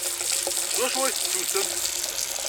S wacu ay tettewtemt?